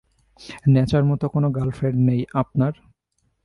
নাচার মতো কোনো গার্লফ্রেন্ড নেই আপনার?